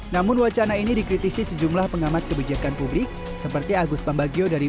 namun wacana ini dikritisi sejumlah pengamat kebijakan publik seperti agus pambagio dari